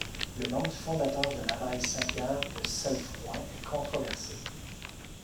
Le nom du fondateur de l'abbaye Saint-Pierre de Cellefrouin est controversé.